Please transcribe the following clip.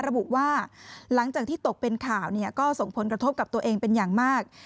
ระบุว่าหลังจากที่ตกเป็นข่าวก็ส่งผลกระทบกับตัวเองเป็นอย่างมาก